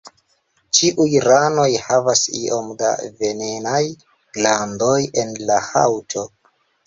Ĉiuj ranoj havas iom da venenaj glandoj en la haŭto.